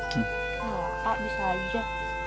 tak bisa aja